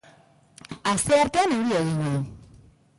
Asteartean euria egingo du.